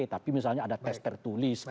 tapi misalnya ada tes tertulis